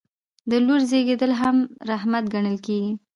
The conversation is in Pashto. د لور زیږیدل هم رحمت ګڼل کیږي.